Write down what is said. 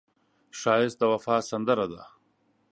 ښایست د وفا سندره ده